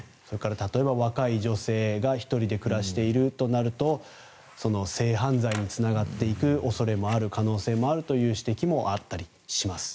例えば若い女性が１人で暮らしているとなると性犯罪につながっていく恐れのある可能性もあるという指摘もあります。